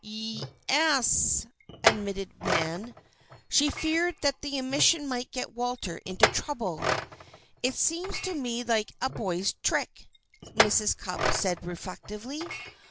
"Ye es," admitted Nan. She feared that the admission might get Walter into trouble. "It seems to me like a boy's trick," Mrs. Cupp said reflectively.